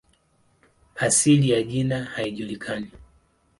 Asili ya jina haijulikani.